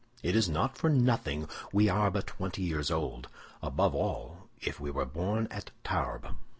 It is not for nothing we are but twenty years old, above all if we were born at Tarbes.